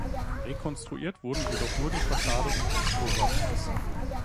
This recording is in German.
Rekonstruiert wurden jedoch nur die Fassade und die Chorapsis.